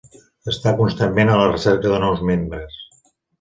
Està constantment a la recerca de nous membres.